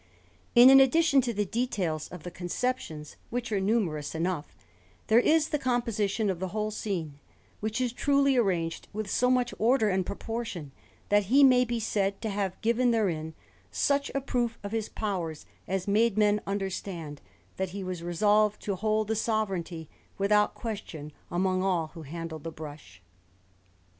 And in addition to the details of the conceptions, which are numerous enough, there is the composition of the whole scene, which is truly arranged with so much order and proportion, that he may be said to have given therein such a proof of his powers as made men understand that he was resolved to hold the sovereignty, without question, among all who handled the brush.